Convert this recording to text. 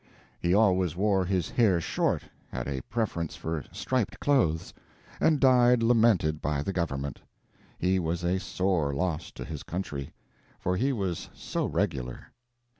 He always wore his hair short, had a preference for striped clothes, and died lamented by the government. He was a sore loss to his country. For he was so regular.